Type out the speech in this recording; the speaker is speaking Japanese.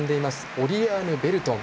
オリアーヌ・ベルトン。